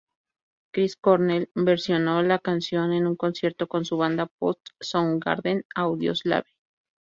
Chris Cornell versionó la canción en un concierto con su banda post-Soundgarden, Audioslave.